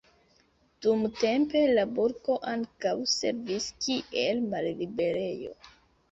Dumtempe la burgo ankaŭ servis kiel malliberejo.